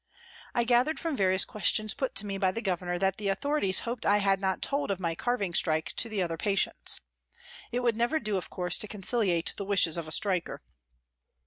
I gathered from various questions put to me by the Governor that the authorities hoped I had not told of my carving strike to the other patients. It would never do, of course, to conciliate the wishes of a striker